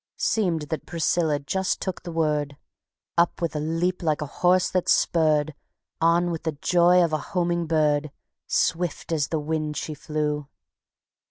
Seemed that Priscilla just took the word; Up with a leap like a horse that's spurred, On with the joy of a homing bird, Swift as the wind she flew.